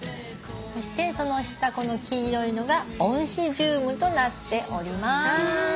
そしてその下この黄色いのがオンシジュームとなっております。